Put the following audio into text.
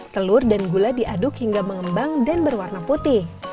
telur dan gula diaduk hingga mengembang dan berwarna putih